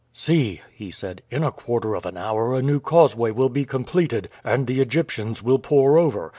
"See," he said, "in a quarter of an hour a new causeway will be completed, and the Egyptians will pour over.